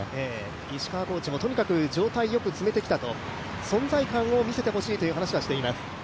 石川コーチもとにかく状態よく詰めてきたと存在感を見せてほしいという話をしています。